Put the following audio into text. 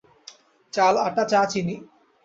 চাল, আটা, চা, চিনি।